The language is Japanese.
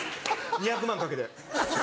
２００万かけて。